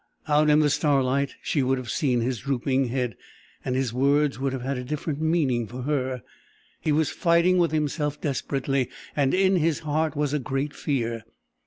Out in the starlight she would have seen his drooping head, and his words would have had a different meaning for her. He was fighting with himself desperately, and in his heart was a great fear.